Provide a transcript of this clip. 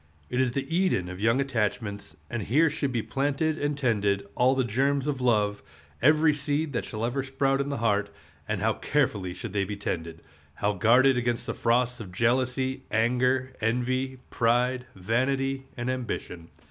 It is the Eden of young attachments, and here should be planted and tended all the germs of love, every seed that shall ever sprout in the heart; and how carefully should they be tended! how guarded against the frosts of jealousy, anger, envy, pride, vanity, and ambition!